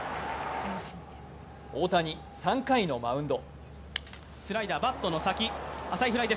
大谷、３回のマウンド。